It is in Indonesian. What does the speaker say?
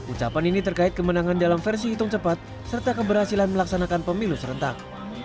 ucapan ini terkait kemenangan dalam versi hitung cepat serta keberhasilan melaksanakan pemilu serentak